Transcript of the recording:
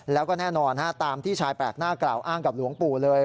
แล้วก็แน่นอนตามที่ชายแปลกหน้ากล่าวอ้างกับหลวงปู่เลย